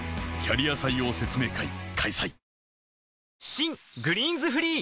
新「グリーンズフリー」